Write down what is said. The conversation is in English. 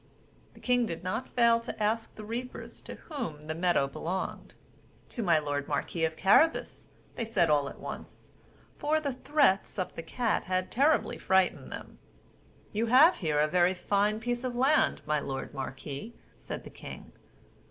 The king did not fail to ask the reapers to whom the meadow belonged? "To my lord marquis of Carabas," said they all at once; for the threats of the cat had terribly frighted them. "You have here a very fine piece of land, my lord marquis," said the king.